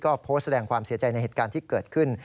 ก็โพสต์แสดงความเสียใจในเหตุการณ์ที่เกิดขึ้น